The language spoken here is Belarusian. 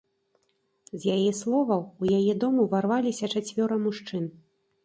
З яе словаў, у яе дом уварваліся чацвёра мужчын.